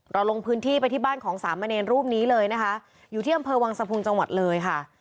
ลงพื้นที่ไปที่บ้านของสามเณรรูปนี้เลยนะคะอยู่ที่อำเภอวังสะพุงจังหวัดเลยค่ะ